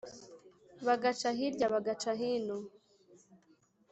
bagaca hirya bagaca hino